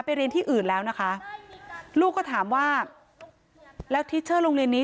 เรียนที่อื่นแล้วนะคะลูกก็ถามว่าแล้วทิชเชอร์โรงเรียนนี้